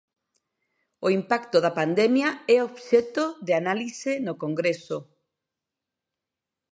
O impacto da pandemia é obxecto de análise no congreso.